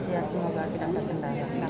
ya semoga tidak terjengkel